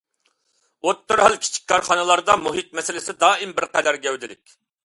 ئوتتۇرا ھال، كىچىك كارخانىلاردا مۇھىت مەسىلىسى دائىم بىر قەدەر گەۋدىلىك.